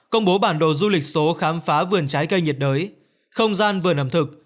công bố bản đồ du lịch số khám phá vườn trái cây nhiệt đới không gian vườn ẩm thực